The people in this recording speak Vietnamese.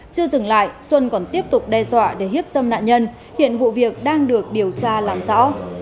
chưa dừng lại xuân còn tiếp tục đe dọa để hiếp dâm nạn nhân hiện vụ việc đang được điều tra làm rõ